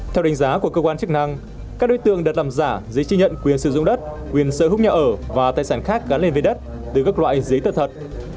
theo đánh giá của cơ quan chức năng các đối tượng đã làm giả giấy chứng nhận quyền sử dụng đất quyền sở hữu nhà ở và tài sản khác gắn liền với đất từ các loại giấy tờ thật